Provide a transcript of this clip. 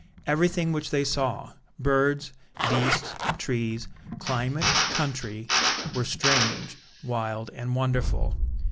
Everything which they saw, birds, beasts, trees, climate, country, were strange, wild, and wonderful.